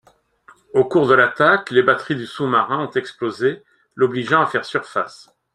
Au cours de l'attaque, les batteries du sous-marins ont explosé, l'obligeant à faire surface.